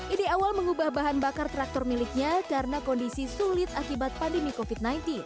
ide awal mengubah bahan bakar traktor miliknya karena kondisi sulit akibat pandemi covid sembilan belas